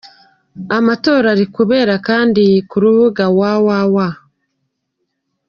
Amatora ari kubera kandi ku rubuga www.